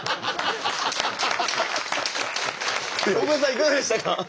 いかがでしたか？